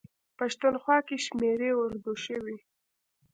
پښتونخوا کې شمېرې اردو شوي.